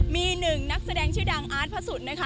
มีหนึ่งนักแสดงชื่อดังอาร์ตพระสุทธิ์นะคะ